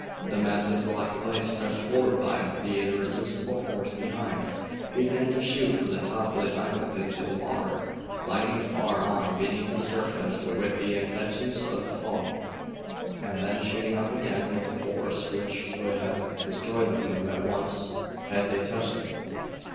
The massive blocks of ice, pressed forward by, the irresistible force behind, began to shoot from the top of the island into the water, gliding far on beneath the surface with the impetus of the fall, and then shooting up again with a force which would have destroyed the canoe at once had they touched it.